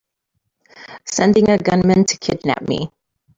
Sending a gunman to kidnap me!